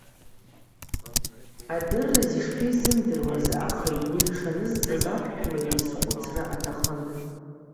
Адырразы ишԥеизымдыруаз, аха игәы иҽанызҵаз аԥшәма изхәыцра аҭахын.